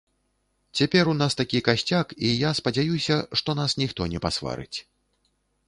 Цяпер у нас такі касцяк, і я спадзяюся, што нас ніхто не пасварыць.